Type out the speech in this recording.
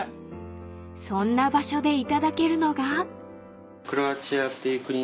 ［そんな場所で頂けるのが］